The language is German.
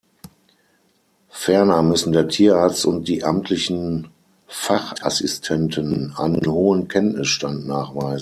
Ferner müssen der Tierarzt und die amtlichen Fachassistenten einen hohen Kenntnisstand nachweisen.